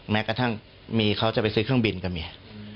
แม้กระทั่งมีเขาจะไปซื้อเครื่องบินก็มี